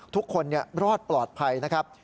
ทุกคนรอดปลอดภัยนะครับ